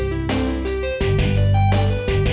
liat gue cabut ya